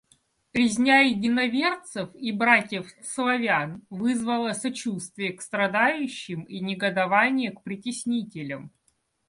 Резня единоверцев и братьев Славян вызвала сочувствие к страдающим и негодование к притеснителям.